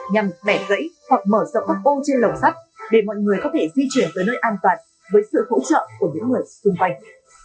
nhằm bẻ gãy hoặc mở rộng âm ô trên lồng sắt để mọi người có thể di chuyển tới nơi an toàn với sự hỗ trợ của những người xung quanh